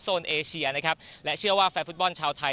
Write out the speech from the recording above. โซนเอเชียร์และแฟลฟุตบอลชาวไทย